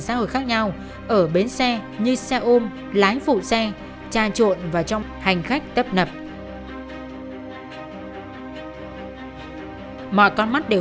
xã hội khác nhau ở bến xe như xe ôm lái phụ xe tra trộn và trong hành khách tấp nập mọi con mắt đều